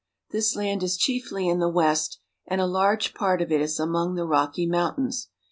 This land is chiefly in the West, and a large part of it is among the Rocky Mountains.